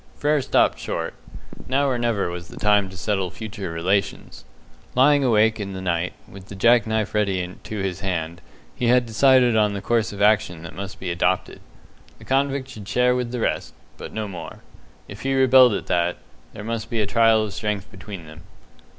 Frere stopped short. Now or never was the time to settle future relations. Lying awake in the night, with the jack knife ready to his hand, he had decided on the course of action that must be adopted. The convict should share with the rest, but no more. If he rebelled at that, there must be a trial of strength between them.